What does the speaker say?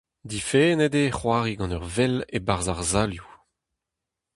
Difennet eo c'hoari gant ur vell e-barzh ar salioù…